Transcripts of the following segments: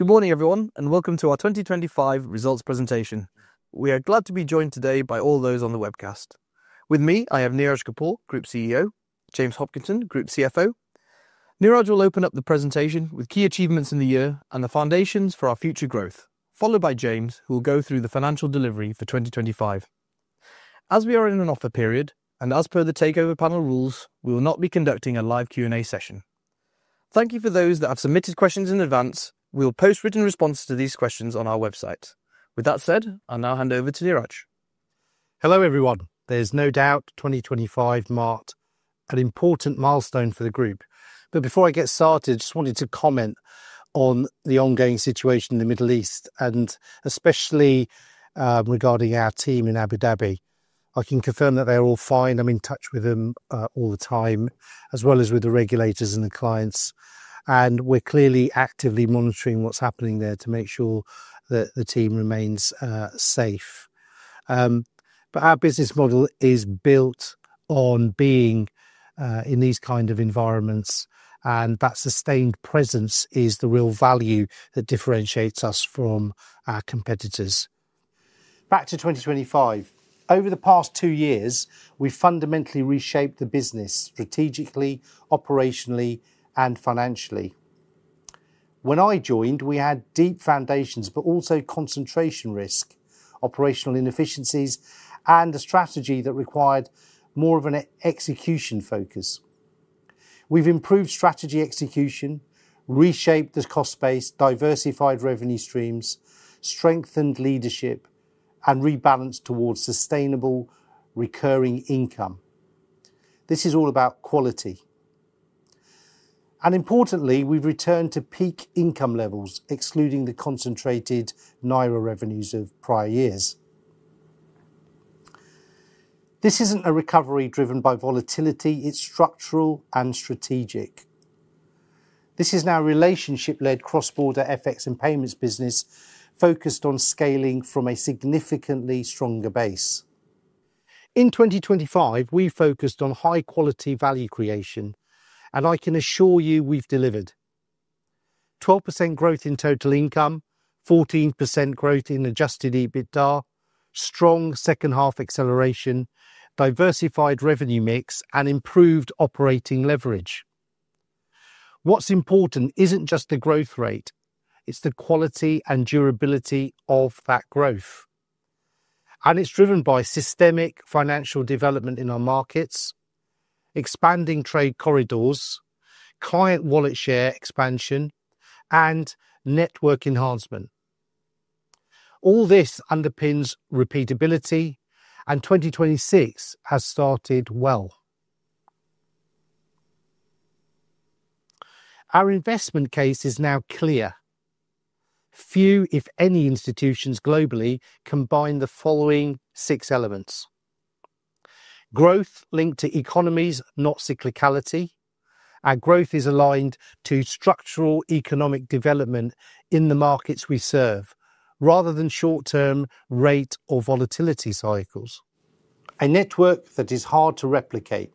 Good morning, everyone, and welcome to our 2025 results presentation. We are glad to be joined today by all those on the webcast. With me, I have Neeraj Kapur, Group CEO, James Hopkinson, Group CFO. Neeraj will open up the presentation with key achievements in the year and the foundations for our future growth, followed by James, who will go through the financial delivery for 2025. As we are in an offer period, and as per The Takeover Panel rules, we will not be conducting a live Q&A session. Thank you for those that have submitted questions in advance. We'll post written responses to these questions on our website. With that said, I'll now hand over to Neeraj. Hello, everyone. There's no doubt 2025 marked an important milestone for the group. Before I get started, just wanted to comment on the ongoing situation in the Middle East, and especially, regarding our team in Abu Dhabi. I can confirm that they are all fine. I'm in touch with them, all the time, as well as with the regulators and the clients, and we're clearly actively monitoring what's happening there to make sure that the team remains safe. Our business model is built on being in these kind of environments, and that sustained presence is the real value that differentiates us from our competitors. Back to 2025. Over the past two years, we've fundamentally reshaped the business strategically, operationally, and financially. When I joined, we had deep foundations, but also concentration risk, operational inefficiencies, and a strategy that required more of an e-execution focus. We've improved strategy execution, reshaped the cost base, diversified revenue streams, strengthened leadership, and rebalanced towards sustainable recurring income. This is all about quality. Importantly, we've returned to peak income levels, excluding the concentrated naira revenues of prior years. This isn't a recovery driven by volatility, it's structural and strategic. This is now a relationship-led cross-border FX and payments business focused on scaling from a significantly stronger base. In 2025, we focused on high-quality value creation, and I can assure you we've delivered. 12% growth in total income, 14% growth in adjusted EBITDA, strong second half acceleration, diversified revenue mix, and improved operating leverage. What's important isn't just the growth rate, it's the quality and durability of that growth, and it's driven by systemic financial development in our markets, expanding trade corridors, client wallet share expansion, and network enhancement. All this underpins repeatability. 2026 has started well. Our investment case is now clear. Few, if any, institutions globally combine the following six elements. Growth linked to economies, not cyclicality. Our growth is aligned to structural economic development in the markets we serve rather than short-term rate or volatility cycles. A network that is hard to replicate.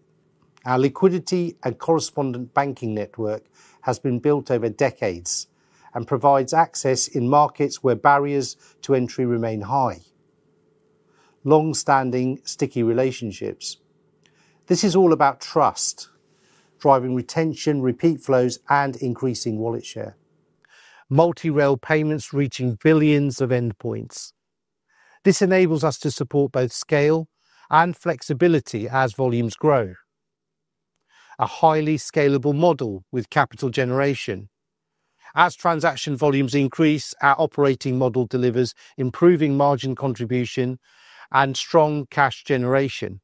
Our liquidity and correspondent banking network has been built over decades and provides access in markets where barriers to entry remain high. Long-standing sticky relationships. This is all about trust, driving retention, repeat flows, and increasing wallet share. Multi-rail payments reaching billions of endpoints. This enables us to support both scale and flexibility as volumes grow. A highly scalable model with capital generation. As transaction volumes increase, our operating model delivers improving margin contribution and strong cash generation.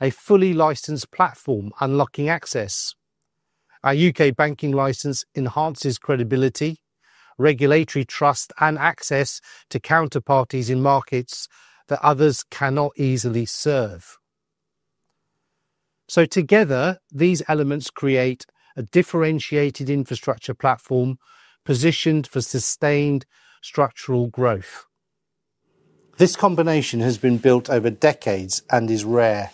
A fully licensed platform unlocking access. Our U.K. banking license enhances credibility, regulatory trust, and access to counterparties in markets that others cannot easily serve. Together, these elements create a differentiated infrastructure platform positioned for sustained structural growth. This combination has been built over decades and is rare.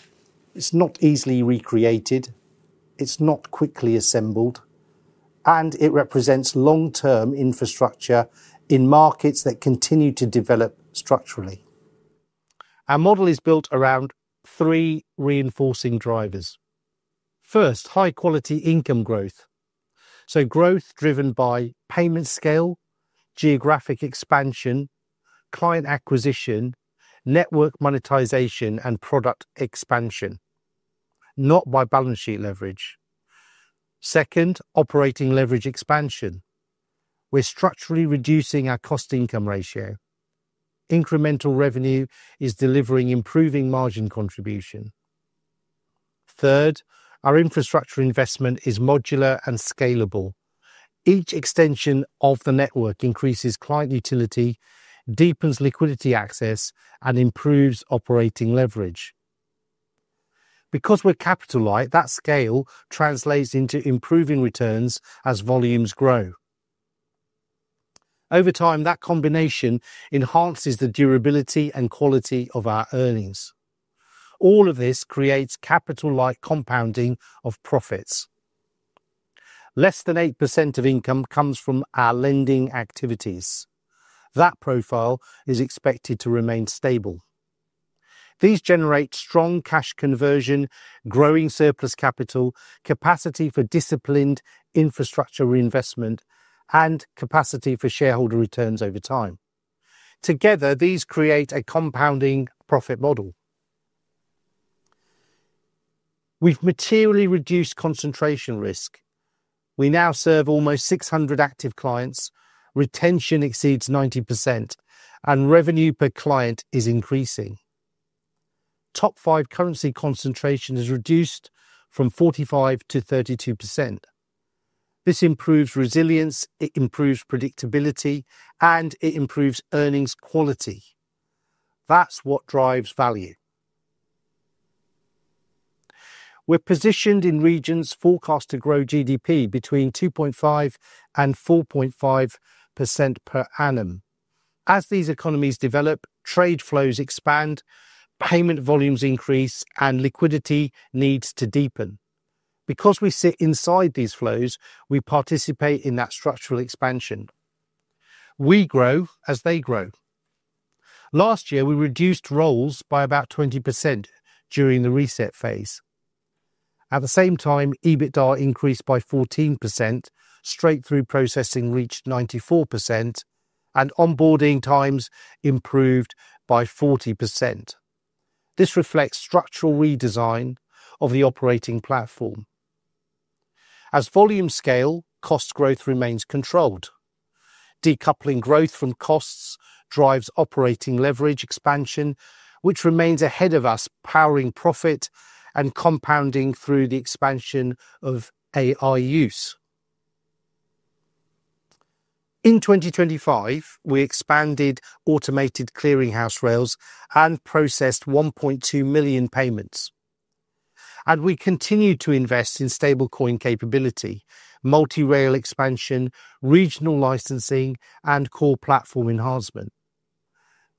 It's not easily recreated, it's not quickly assembled, and it represents long-term infrastructure in markets that continue to develop structurally. Our model is built around three reinforcing drivers. First, high-quality income growth. Growth driven by payment scale, geographic expansion, client acquisition, network monetization, and product expansion, not by balance sheet leverage. Second, operating leverage expansion. We're structurally reducing our cost-income ratio. Incremental revenue is delivering improving margin contribution. Third, our infrastructure investment is modular and scalable. Each extension of the network increases client utility, deepens liquidity access, and improves operating leverage. Because we're capital light, that scale translates into improving returns as volumes grow. Over time, that combination enhances the durability and quality of our earnings. All of this creates capital-light compounding of profits. Less than 8% of income comes from our lending activities. That profile is expected to remain stable. These generate strong cash conversion, growing surplus capital, capacity for disciplined infrastructure reinvestment, and capacity for shareholder returns over time. Together, these create a compounding profit model. We've materially reduced concentration risk. We now serve almost 600 active clients. Retention exceeds 90%, and revenue per client is increasing. Top five currency concentration is reduced from 45% to 32%. This improves resilience, it improves predictability, and it improves earnings quality. That's what drives value. We're positioned in regions forecast to grow GDP between 2.5% and 4.5% per annum. These economies develop, trade flows expand, payment volumes increase, and liquidity needs to deepen. We sit inside these flows, we participate in that structural expansion. We grow as they grow. Last year, we reduced roles by about 20% during the reset phase. At the same time, EBITDA increased by 14%, straight-through processing reached 94%, and onboarding times improved by 40%. This reflects structural redesign of the operating platform. Volume scale, cost growth remains controlled. Decoupling growth from costs drives operating leverage expansion, which remains ahead of us powering profit and compounding through the expansion of AI use. In 2025, we expanded Automated Clearing House rails and processed 1.200,000 payments. We continued to invest in stablecoin capability, multi-rail expansion, regional licensing, and core platform enhancement.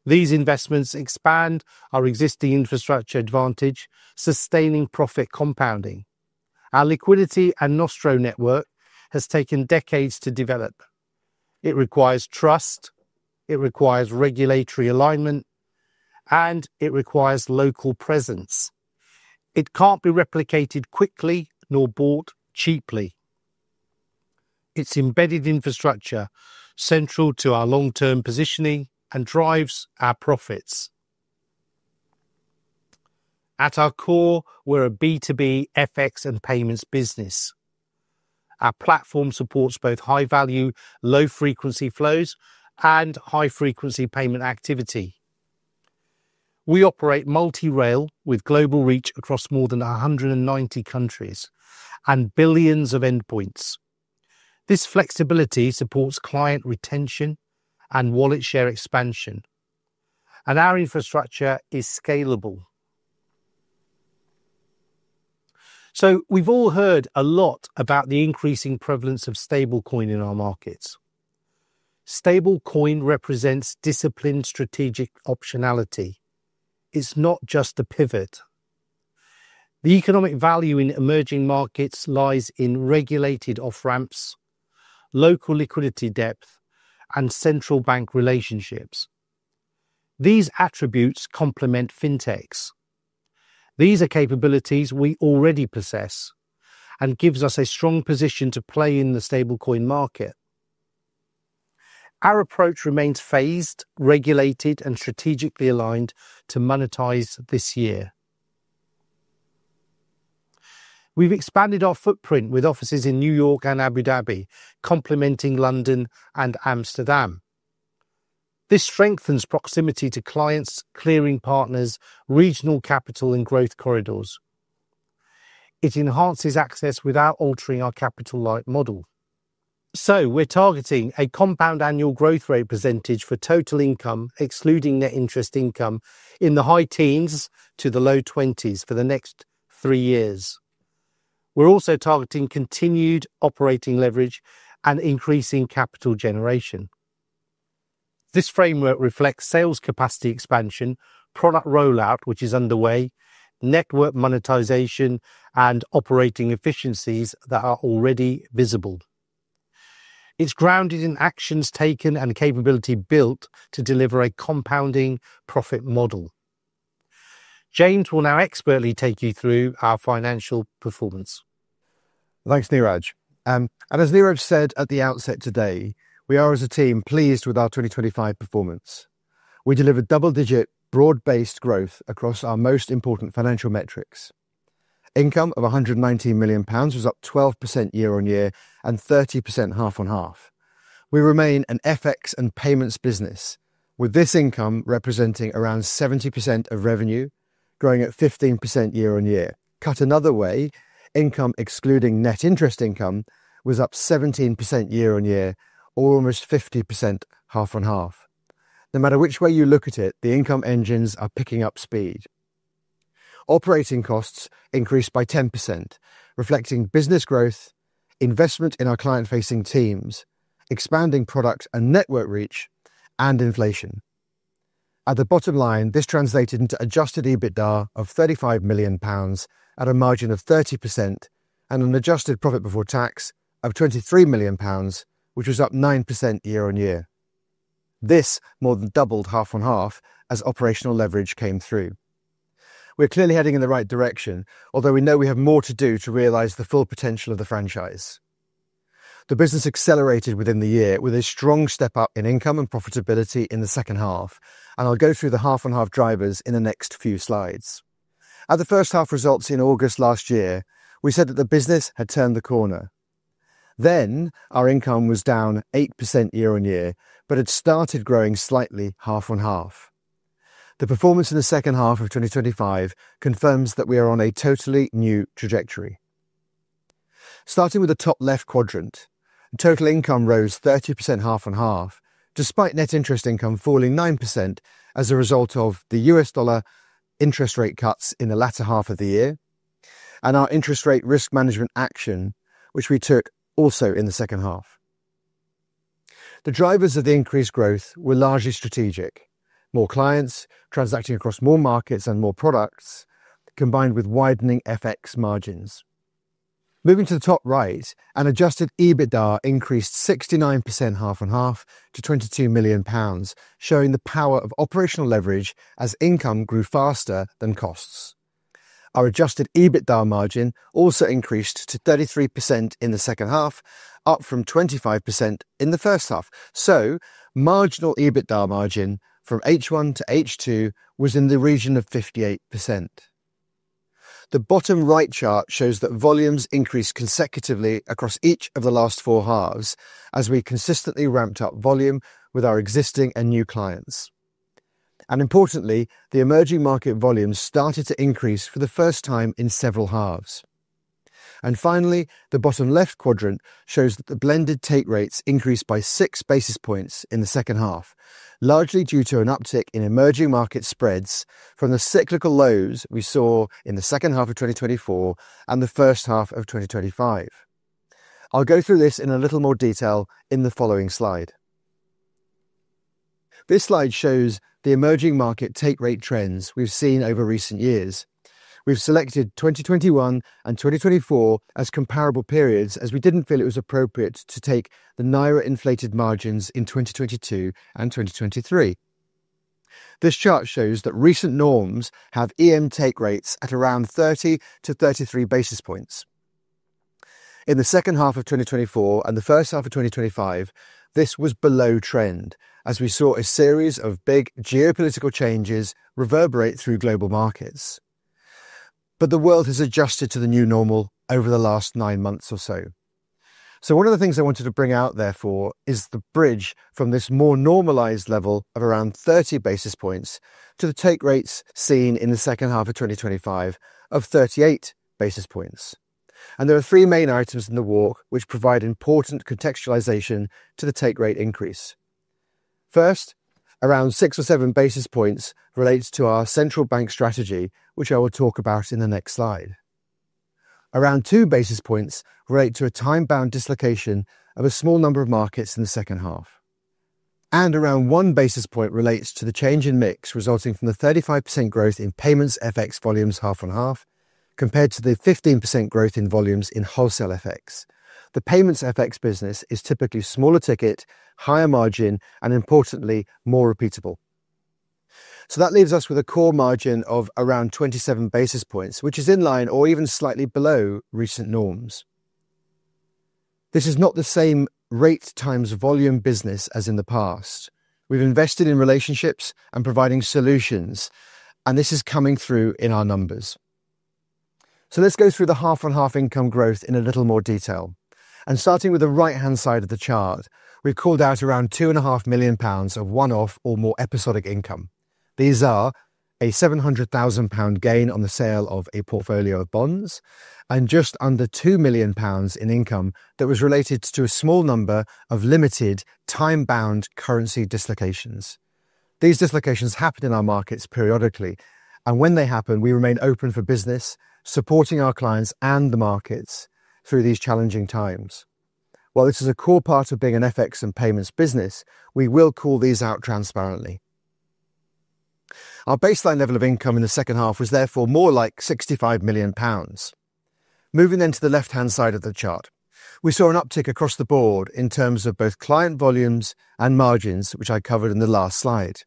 These investments expand our existing infrastructure advantage, sustaining profit compounding. Our liquidity and Nostro network has taken decades to develop. It requires trust, it requires regulatory alignment, and it requires local presence. It can't be replicated quickly nor bought cheaply. It's embedded infrastructure central to our long-term positioning and drives our profits. At our core, we're a B2B FX and payments business. Our platform supports both high-value, low-frequency flows and high-frequency payment activity. We operate multi-rail with global reach across more than 190 countries and billions of endpoints. This flexibility supports client retention and wallet share expansion. Our infrastructure is scalable. We've all heard a lot about the increasing prevalence of stablecoin in our markets. Stablecoin represents disciplined strategic optionality. It's not just a pivot. The economic value in emerging markets lies in regulated off-ramps, local liquidity depth, and central bank relationships. These attributes complement fintechs. These are capabilities we already possess and gives us a strong position to play in the stablecoin market. Our approach remains phased, regulated, and strategically aligned to monetize this year. We've expanded our footprint with offices in New York and Abu Dhabi, complementing London and Amsterdam. This strengthens proximity to clients, clearing partners, regional capital, and growth corridors. It enhances access without altering our capital light model. We're targeting a compound annual growth rate percentage for total income, excluding net interest income in the high teens to the low 20s for the next three years. We're also targeting continued operating leverage and increasing capital generation. This framework reflects sales capacity expansion, product rollout, which is underway, network monetization, and operating efficiencies that are already visible. It's grounded in actions taken and capability built to deliver a compounding profit model. James will now expertly take you through our financial performance. Thanks, Neeraj. As Neeraj said at the outset today, we are as a team, pleased with our 2025 performance. We delivered double-digit broad-based growth across our most important financial metrics. Income of 119 million pounds was up 12% year-over-year and 30% half-on-half. We remain an FX and payments business, with this income representing around 70% of revenue, growing at 15% year-over-year. Cut another way, income excluding net interest income was up 17% year-over-year, almost 50% half-on-half. No matter which way you look at it, the income engines are picking up speed. Operating costs increased by 10%, reflecting business growth, investment in our client-facing teams, expanding products and network reach and inflation. At the bottom line, this translated into adjusted EBITDA of 35 million pounds at a margin of 30% and an adjusted profit before tax of 23 million pounds, which was up 9% year-on-year. This more than doubled half-on-half as operational leverage came through. We're clearly heading in the right direction, although we know we have more to do to realize the full potential of the franchise. The business accelerated within the year with a strong step up in income and profitability in the second half, and I'll go through the half-on-half drivers in the next few slides. At the first half results in August last year, we said that the business had turned the corner. Our income was down 8% year-on-year, but had started growing slightly half-on-half. The performance in the second half of 2025 confirms that we are on a totally new trajectory. Starting with the top left quadrant, total income rose 30% half on half, despite net interest income falling 9% as a result of the U.S. dollar interest rate cuts in the latter half of the year and our interest rate risk management action, which we took also in the second half. The drivers of the increased growth were largely strategic. More clients transacting across more markets and more products, combined with widening FX margins. Moving to the top right, adjusted EBITDA increased 69% half on half to 22 million pounds, showing the power of operational leverage as income grew faster than costs. Our adjusted EBITDA margin also increased to 33% in the second half, up from 25% in the first half. Marginal EBITDA margin from H1 to H2 was in the region of 58%. The bottom right chart shows that volumes increased consecutively across each of the last four halves as we consistently ramped up volume with our existing and new clients. Importantly, the emerging market volumes started to increase for the first time in several halves. Finally, the bottom left quadrant shows that the blended take rates increased by 6 basis points in the second half, largely due to an uptick in emerging market spreads from the cyclical lows we saw in the second half of 2024 and the first half of 2025. I'll go through this in a little more detail in the following slide. This slide shows the emerging market take rate trends we've seen over recent years. We've selected 2021 and 2024 as comparable periods as we didn't feel it was appropriate to take the naira inflated margins in 2022 and 2023. This chart shows that recent norms have EM take rates at around 30 to 33 basis points. In the second half of 2024 and the first half of 2025, this was below trend as we saw a series of big geopolitical changes reverberate through global markets. The world has adjusted to the new normal over the last nine months or so. One of the things I wanted to bring out therefore is the bridge from this more normalized level of around 30 basis points to the take rates seen in the second half of 2025 of 38 basis points. There are three main items in the walk which provide important contextualization to the take rate increase. First, around 6 or 7 basis points relates to our central bank strategy, which I will talk about in the next slide. Around 2 basis points relate to a time-bound dislocation of a small number of markets in the second half. Around 1 basis point relates to the change in mix resulting from the 35% growth in payments FX volumes half on half, compared to the 15% growth in volumes in wholesale FX. The payments FX business is typically smaller ticket, higher margin, and importantly, more repeatable. That leaves us with a core margin of around 27 basis points, which is in line or even slightly below recent norms. This is not the same rate times volume business as in the past. We've invested in relationships and providing solutions, and this is coming through in our numbers. Let's go through the half-on-half income growth in a little more detail. Starting with the right-hand side of the chart, we've called out around 2,500,000 pounds of one-off or more episodic income. These are a 700,000 pound gain on the sale of a portfolio of bonds and just under 2 million pounds in income that was related to a small number of limited time-bound currency dislocations. These dislocations happen in our markets periodically, and when they happen, we remain open for business, supporting our clients and the markets through these challenging times. While this is a core part of being an FX and payments business, we will call these out transparently. Our baseline level of income in the second half was therefore more like 65 million pounds. Moving to the left-hand side of the chart, we saw an uptick across the board in terms of both client volumes and margins, which I covered in the last slide.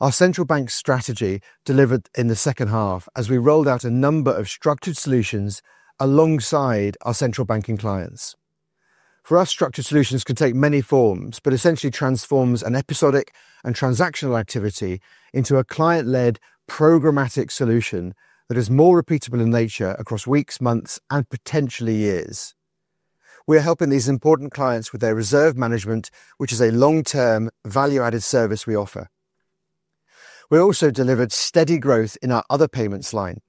Our central bank strategy delivered in the second half as we rolled out a number of structured solutions alongside our central banking clients. For us, structured solutions can take many forms, but essentially transforms an episodic and transactional activity into a client-led programmatic solution that is more repeatable in nature across weeks, months, and potentially years. We are helping these important clients with their reserve management, which is a long-term value-added service we offer. We also delivered steady growth in our other payments line,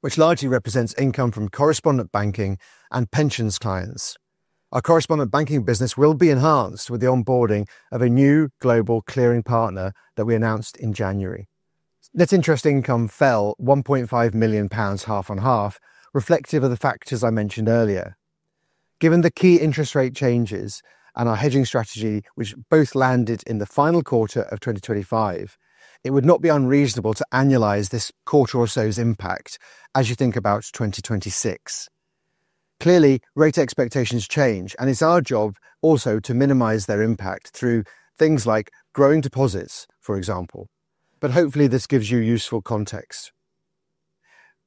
which largely represents income from correspondent banking and pensions clients. Our correspondent banking business will be enhanced with the onboarding of a new global clearing partner that we announced in January. Net interest income fell 1.5 million pounds half on half, reflective of the factors I mentioned earlier. Given the key interest rate changes and our hedging strategy, which both landed in the final quarter of 2025, it would not be unreasonable to annualize this quarter or so's impact as you think about 2026. Clearly, rate expectations change, and it's our job also to minimize their impact through things like growing deposits, for example. Hopefully this gives you useful context.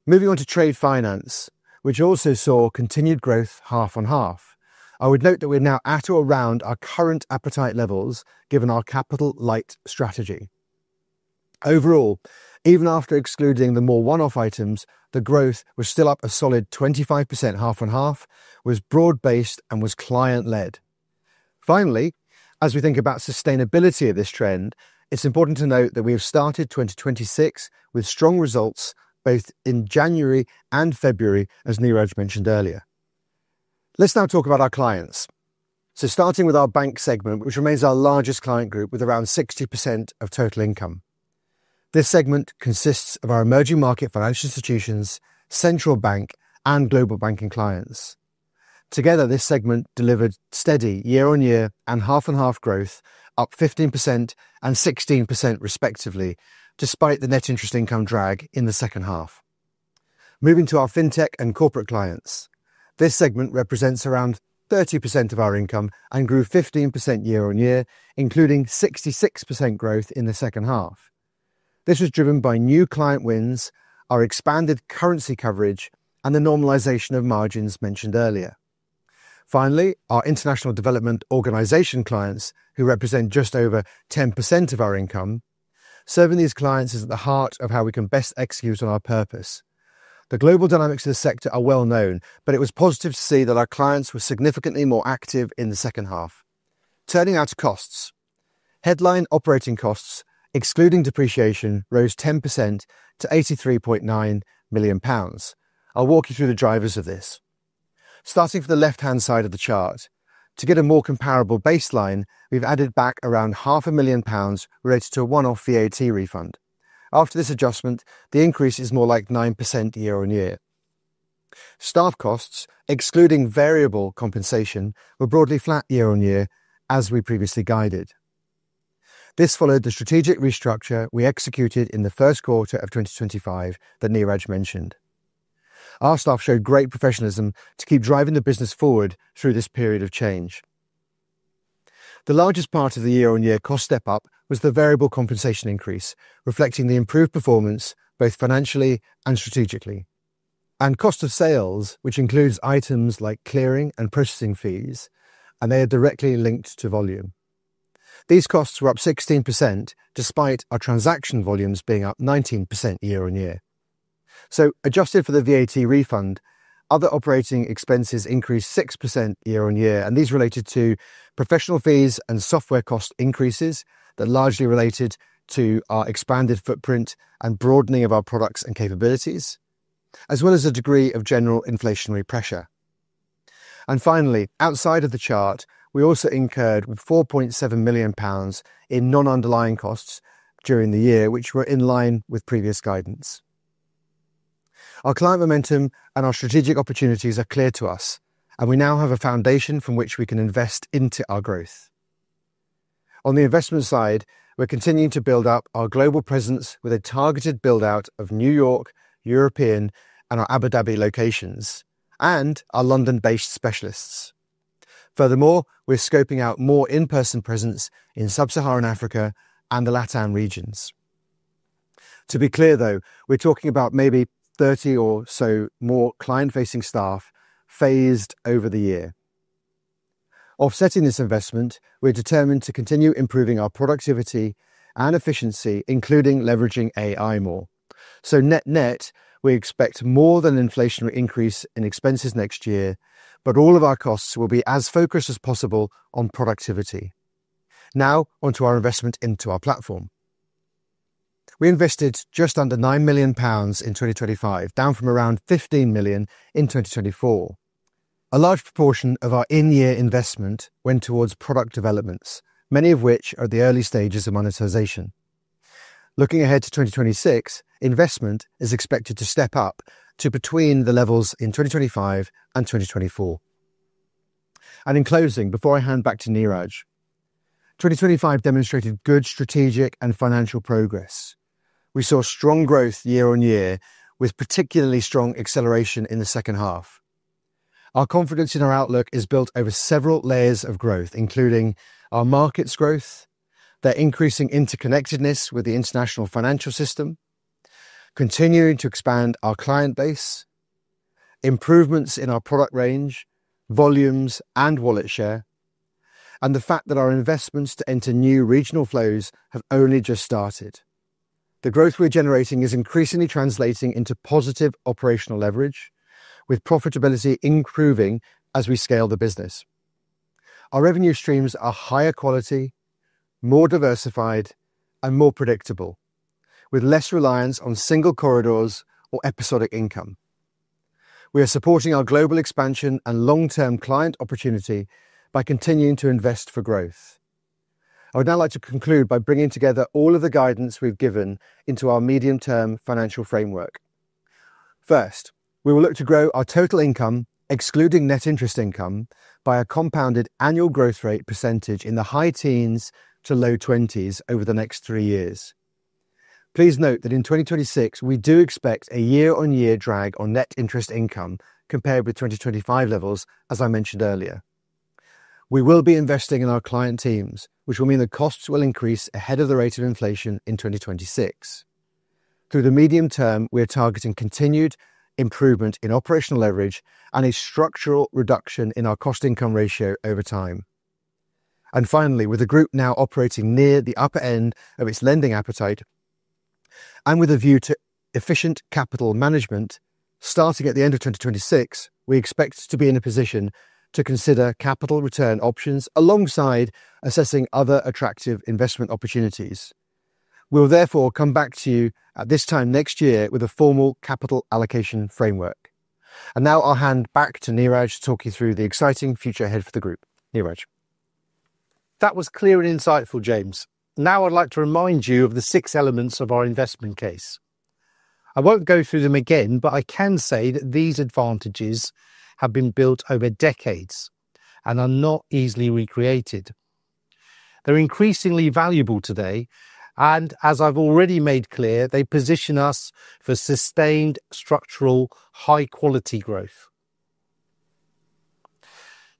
Moving on to trade finance, which also saw continued growth half on half. I would note that we're now at or around our current appetite levels given our capital light strategy. Overall, even after excluding the more one-off items, the growth was still up a solid 25% half on half, was broad-based and was client-led. Finally, as we think about sustainability of this trend, it's important to note that we have started 2026 with strong results both in January and February, as Neeraj mentioned earlier. Let's now talk about our clients. Starting with our bank segment, which remains our largest client group with around 60% of total income. This segment consists of our emerging market financial institutions, central bank, and global banking clients. Together, this segment delivered steady year-on-year and half-on-half growth, up 15% and 16% respectively, despite the net interest income drag in the second half. Moving to our fintech and corporate clients. This segment represents around 30% of our income and grew 15% year-on-year, including 66% growth in the second half. This was driven by new client wins, our expanded currency coverage, and the normalization of margins mentioned earlier. Our international development organization clients, who represent just over 10% of our income. Serving these clients is at the heart of how we can best execute on our purpose. The global dynamics of this sector are well known. It was positive to see that our clients were significantly more active in the second half. Turning now to costs. Headline operating costs, excluding depreciation, rose 10% to 83.9 million pounds. I'll walk you through the drivers of this. Starting from the left-hand side of the chart. To get a more comparable baseline, we've added back around half a million pounds related to a one-off VAT refund. After this adjustment, the increase is more like 9% year-on-year. Staff costs, excluding variable compensation, were broadly flat year-on-year, as we previously guided. This followed the strategic restructure we executed in the Q1 of 2025 that Neeraj mentioned. Our staff showed great professionalism to keep driving the business forward through this period of change. Cost of sales, which includes items like clearing and processing fees, and they are directly linked to volume. These costs were up 16% despite our transaction volumes being up 19% year-on-year. Adjusted for the VAT refund, other operating expenses increased 6% year-on-year, and these related to professional fees and software cost increases that largely related to our expanded footprint and broadening of our products and capabilities, as well as a degree of general inflationary pressure. Finally, outside of the chart, we also incurred 4.7 million pounds in non-underlying costs during the year, which were in line with previous guidance. Our client momentum and our strategic opportunities are clear to us, and we now have a foundation from which we can invest into our growth. On the investment side, we're continuing to build up our global presence with a targeted build-out of New York, European, and our Abu Dhabi locations, and our London-based specialists. Furthermore, we're scoping out more in-person presence in sub-Saharan Africa and the LATAM regions. To be clear, though, we're talking about maybe 30 or so more client-facing staff phased over the year. Offsetting this investment, we're determined to continue improving our productivity and efficiency, including leveraging AI more. Net-net, we expect more than inflationary increase in expenses next year, but all of our costs will be as focused as possible on productivity. Onto our investment into our platform. We invested just under 9 million pounds in 2025, down from around 15 million in 2024. A large proportion of our in-year investment went towards product developments, many of which are at the early stages of monetization. Looking ahead to 2026, investment is expected to step up to between the levels in 2025 and 2024. In closing, before I hand back to Neeraj, 2025 demonstrated good strategic and financial progress. We saw strong growth year-on-year, with particularly strong acceleration in the second half. Our confidence in our outlook is built over several layers of growth, including our market's growth, their increasing interconnectedness with the international financial system, continuing to expand our client base, improvements in our product range, volumes, and wallet share, and the fact that our investments to enter new regional flows have only just started. The growth we're generating is increasingly translating into positive operational leverage, with profitability improving as we scale the business. Our revenue streams are higher quality, more diversified, and more predictable, with less reliance on single corridors or episodic income. We are supporting our global expansion and long-term client opportunity by continuing to invest for growth. I would now like to conclude by bringing together all of the guidance we've given into our medium-term financial framework. First, we will look to grow our total income, excluding net interest income, by a compounded annual growth rate percentage in the high teens to low 20s over the next three years. Please note that in 2026, we do expect a year-over-year drag on net interest income compared with 2025 levels, as I mentioned earlier. We will be investing in our client teams, which will mean that costs will increase ahead of the rate of inflation in 2026. Through the medium-term, we are targeting continued improvement in operational leverage and a structural reduction in our cost-income ratio over time. Finally, with the group now operating near the upper end of its lending appetite and with a view to efficient capital management, starting at the end of 2026, we expect to be in a position to consider capital return options alongside assessing other attractive investment opportunities. We'll therefore come back to you at this time next year with a formal capital allocation framework. Now I'll hand back to Neeraj to talk you through the exciting future ahead for the group. Neeraj. That was clear and insightful, James. I'd like to remind you of the six elements of our investment case. I won't go through them again, but I can say that these advantages have been built over decades and are not easily recreated. They're increasingly valuable today, and as I've already made clear, they position us for sustained structural high quality growth.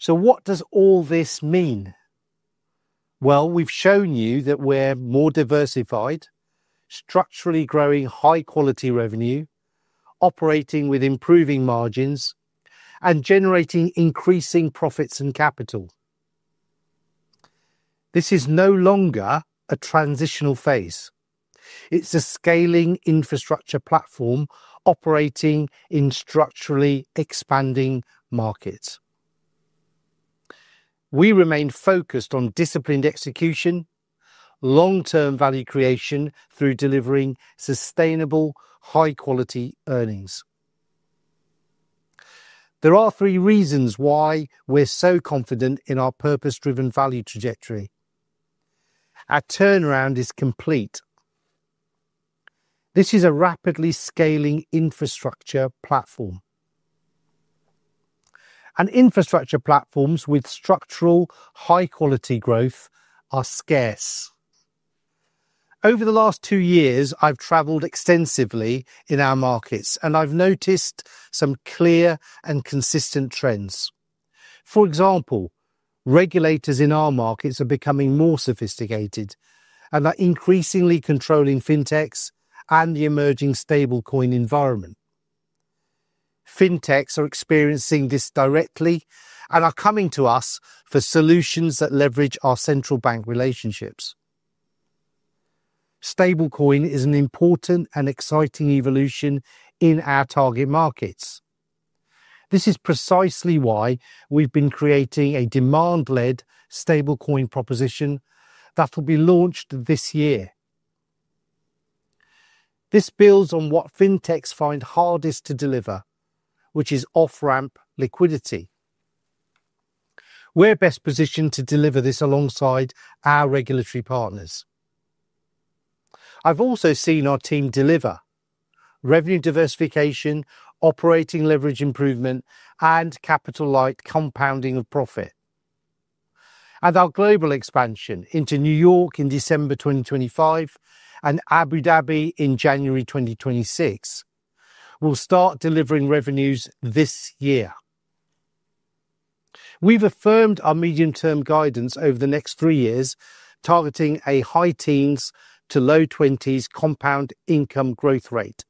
What does all this mean? Well, we've shown you that we're more diversified, structurally growing high quality revenue, operating with improving margins and generating increasing profits and capital. This is no longer a transitional phase. It's a scaling infrastructure platform operating in structurally expanding markets. We remain focused on disciplined execution, long-term value creation through delivering sustainable high quality earnings. There are three reasons why we're so confident in our purpose-driven value trajectory. Our turnaround is complete. This is a rapidly scaling infrastructure platform. Infrastructure platforms with structural high quality growth are scarce. Over the last two years, I've traveled extensively in our markets, and I've noticed some clear and consistent trends. For example, regulators in our markets are becoming more sophisticated and are increasingly controlling fintechs and the emerging stablecoin environment. Fintechs are experiencing this directly and are coming to us for solutions that leverage our central bank relationships. Stablecoin is an important and exciting evolution in our target markets. This is precisely why we've been creating a demand-led stablecoin proposition that will be launched this year. This builds on what fintechs find hardest to deliver, which is off-ramp liquidity. We're best positioned to deliver this alongside our regulatory partners. I've also seen our team deliver revenue diversification, operating leverage improvement, and capital light compounding of profit. Our global expansion into New York in December 2025 and Abu Dhabi in January 2026 will start delivering revenues this year. We've affirmed our medium-term guidance over the next three years, targeting a high teens to low twenties compound income growth rate.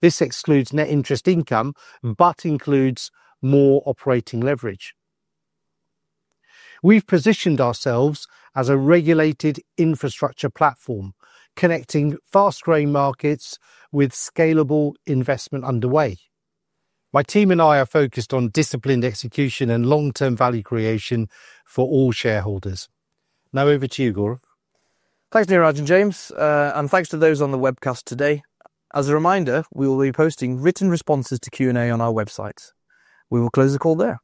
This excludes net interest income, but includes more operating leverage. We've positioned ourselves as a regulated infrastructure platform, connecting fast-growing markets with scalable investment underway. My team and I are focused on disciplined execution and long-term value creation for all shareholders. Now over to you, Gaurav. Thanks, Neeraj and James, and thanks to those on the webcast today. As a reminder, we will be posting written responses to Q&A on our website. We will close the call there.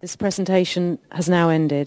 This presentation has now ended.